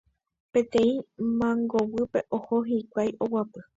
peteĩ mangoguýpe oho hikuái oguapy.